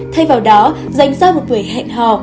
thay vào đó dành ra một buổi hẹn hò